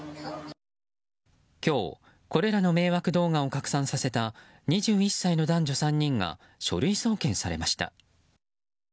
今日、これらの迷惑動画を拡散させた２１歳の男女３人が書類送検されました。